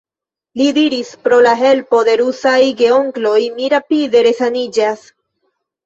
Li diris: Pro la helpo de rusaj geonkloj mi rapide resaniĝas.